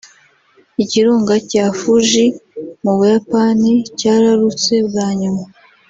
Ikirunga cya Fuji mu Buyapani cyararutse bwa nyuma